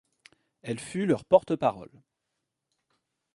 Elle fut leur porte-parole.